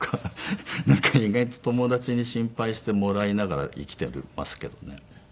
なんか意外と友達に心配してもらいながら生きていますけどね。